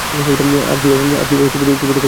তারা কিভাবে টিভি থেকে বেরিয়ে আসবে?